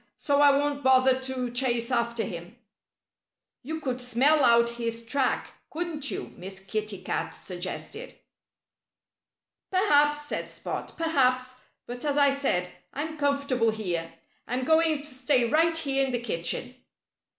So I won't bother to chase after him." "You could smell out his track, couldn't you?" Miss Kitty Cat suggested. "Perhaps!" said Spot. "Perhaps! But as I said, I'm comfortable here. I'm going to stay right here in the kitchen."